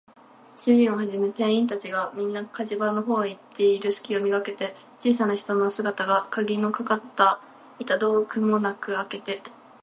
主人をはじめ店員たちが、みんな火事場のほうへ行っているすきをめがけて、小さな人の姿が、かぎのかかった板戸をくもなくあけて、